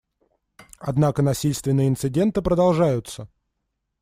Однако насильственные инциденты продолжаются.